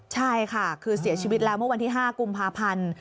ใช่ค่ะคือเสียชีวิตแล้วเมื่อวันที่๕กุมภาพันธ์